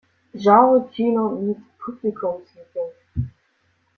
Genrekino meets Publikumsliebling.